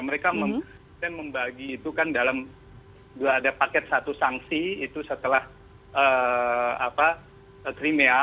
mereka membagi itu kan dalam ada paket satu sanksi itu setelah krimia